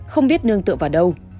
không biết nương tựa vào đâu